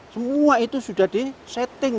semua itu sudah disetting